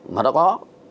mà nó có